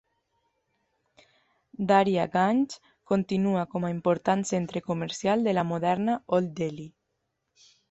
Daryaganj continua com a important centre comercial de la moderna Old Delhi.